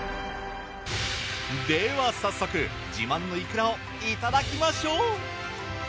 では早速自慢のいくらをいただきましょう！